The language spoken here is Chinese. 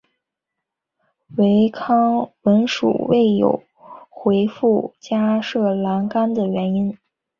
唯康文署未有回覆加设栏杆的原因。